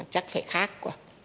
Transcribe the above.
chắc phải khác quá